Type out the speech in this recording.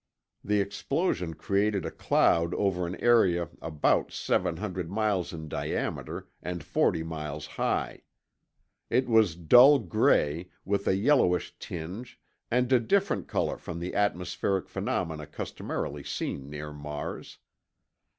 The explosion created a cloud over an area about seven hundred miles in diameter and forty miles high. It was dull gray with a yellowish tinge and a different color from the atmospheric phenomena customarily seen near Mars.